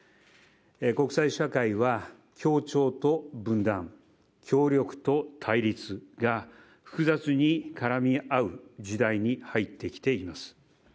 国際社会は協調と分断、協力と対立が複雑に絡み合う時代に入ってきています。